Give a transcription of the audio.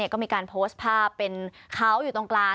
ก็มีการโพสต์ภาพเป็นเขาอยู่ตรงกลาง